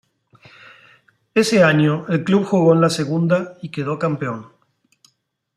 Ese año el club jugó en la segunda y quedó campeón.